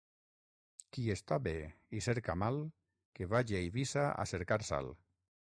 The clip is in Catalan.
Qui està bé i cerca mal, que vagi a Eivissa a cercar sal.